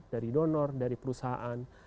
dari donor dari perusahaan